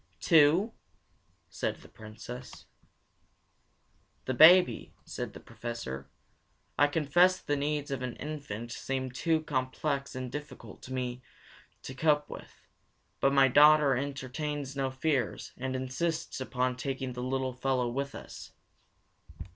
"Two?" said the Princess. "The baby," said the Professor. "I confess the needs of an infant seem too complex and difficult for me to cope with, but my daughter entertains no fears, and insists upon taking the little fellow with us."